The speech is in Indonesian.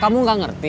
kamu gak ngerti